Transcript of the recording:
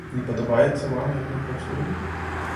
Не падабаецца вам, як мы працуем?